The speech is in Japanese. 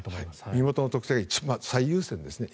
身元の特定が一番最優先ですね